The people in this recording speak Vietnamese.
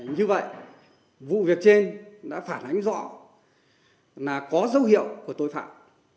như vậy vụ việc trên đã phản ánh rõ là có dấu hiệu của tội phạm